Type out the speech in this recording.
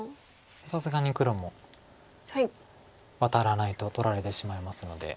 さすがに黒もワタらないと取られてしまいますので。